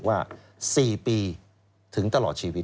ว่า๔ปีถึงตลอดชีวิต